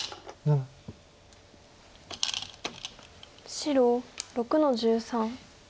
白６の十三。